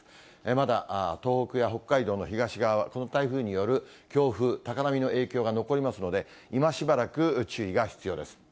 まだ東北や北海道の東側は、この台風による強風、高波の影響が残りますので、いましばらく注意が必要です。